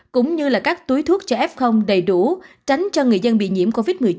cũng như là các túi thuốc cho f đầy đủ tránh cho người dân bị nhiễm covid một mươi chín